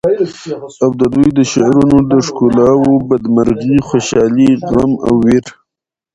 او ددوی د شعرونو د ښکلاوو بد مرغي، خوشالی، غم او وېر